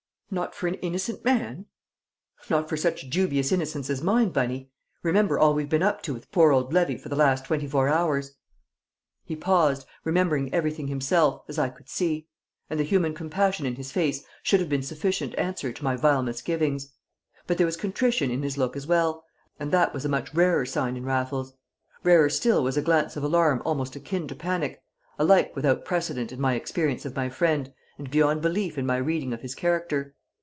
"Not for an innocent man?" "Not for such dubious innocence as mine, Bunny! Remember all we've been up to with poor old Levy for the last twenty four hours." He paused, remembering everything himself, as I could see; and the human compassion in his face should have been sufficient answer to my vile misgivings. But there was contrition in his look as well, and that was a much rarer sign in Raffles. Rarer still was a glance of alarm almost akin to panic, alike without precedent in my experience of my friend and beyond belief in my reading of his character.